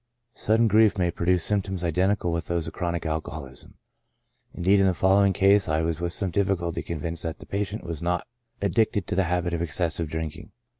Sudden grief may produce symptoms identical with those of chronic alcoholism ; indeed, in the following case I was with some difficulty convinced that the patient was not ad dicted to the habit of excessive drinking.